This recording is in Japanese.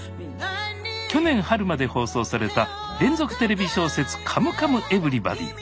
去年春まで放送された連続テレビ小説「カムカムエヴリバディ」。